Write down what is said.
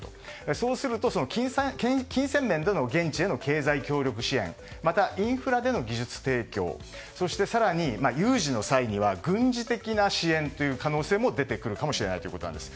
そうすると金銭面での現地への経済協力支援また、インフラでの技術提供や更には有事の際軍事的な支援の可能性も出てくるかもしれないということなんです。